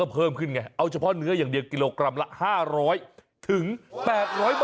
เพิ่มขึ้นไงเอาเฉพาะเนื้ออย่างเดียวกิโลกรัมละ๕๐๐๘๐๐บาท